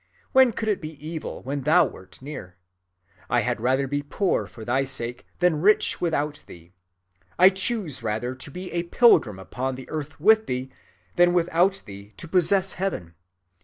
When could it be evil when thou wert near? I had rather be poor for thy sake than rich without thee. I choose rather to be a pilgrim upon the earth with thee, than without thee to possess heaven.